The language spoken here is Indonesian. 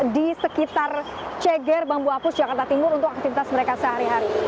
di sekitar ceger bambu apus jakarta timur untuk aktivitas mereka sehari hari